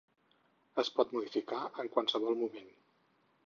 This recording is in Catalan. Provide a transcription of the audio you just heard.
Es pot modificar en qualsevol moment.